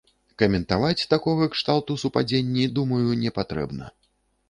Каментаваць такога кшталту супадзенні, думаю, не патрэбна.